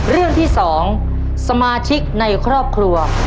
เรื่องที่๒สมาชิกในครอบครัว